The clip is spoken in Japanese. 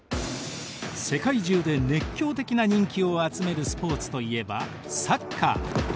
世界中で熱狂的な人気を集めるスポーツといえばサッカー。